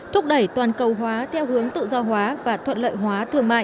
thúc đẩy toàn cầu hóa theo hướng tự do hóa và thuận lợi hóa thương mại